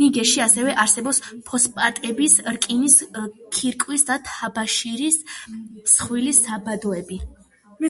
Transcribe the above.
ნიგერში ასევე არსებობს ფოსფატების, რკინის, კირქვის და თაბაშირის მსხვილი საბადოები.